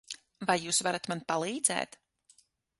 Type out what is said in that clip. Vai jūs varat man palīdzēt?